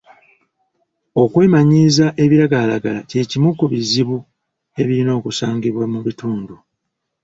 Okwemanyiiza ebiragalalagala kye kimu ku bizibu ebirina okusangibwa mu bitundu.